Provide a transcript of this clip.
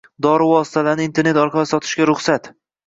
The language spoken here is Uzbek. Dori vositalarini Internet orqali sotishga ruxsat.